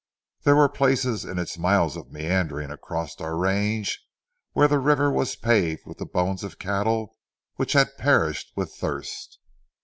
There were places in its miles of meanderings across our range where the river was paved with the bones of cattle which had perished with thirst.